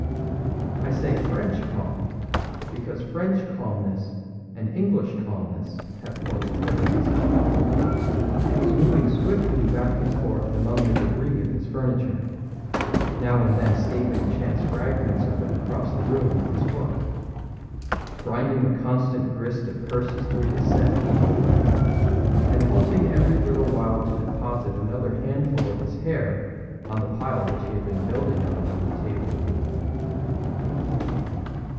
I say French calm, because French calmness and English calmness have points of difference. He was moving swiftly back and forth among the debris of his furniture, now and then staving chance fragments of it across the room with his foot; grinding a constant grist of curses through his set teeth; and halting every little while to deposit another handful of his hair on the pile which he had been building of it on the table.